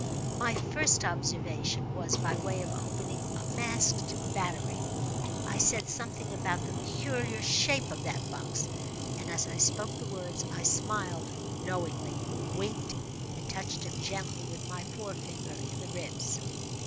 My first observation was by way of opening a masked battery. I said something about the "peculiar shape of that box"; and, as I spoke the words, I smiled knowingly, winked, and touched him gently with my forefinger in the ribs.